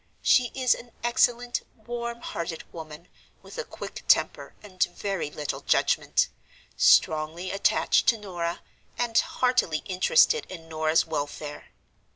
She is an excellent, warm hearted woman, with a quick temper and very little judgment; strongly attached to Norah, and heartily interested in Norah's welfare.